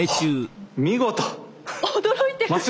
驚いてる！